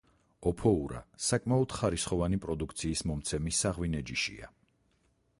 ოფოურა საკმაოდ ხარისხოვანი პროდუქციის მომცემი საღვინე ჯიშია.